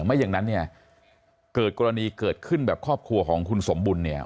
ไม่อย่างนั้นเนี่ยเกิดกรณีเกิดขึ้นแบบครอบครัวของคุณสมบุญเนี่ย